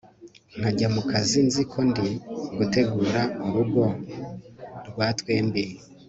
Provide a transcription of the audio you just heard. nkajya mu kazi nzi ko ndi gutegura irugo rwa twembi